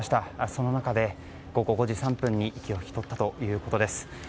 その中で、午後５時３分に息を引き取ったということです。